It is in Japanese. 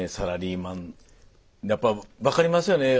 やっぱり分かりますよね